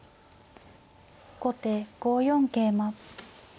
後手５四桂馬。